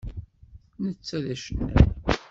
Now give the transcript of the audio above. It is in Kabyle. Netta d acennay.